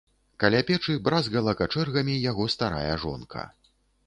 Каля печы бразгала качэргамі яго старая жонка.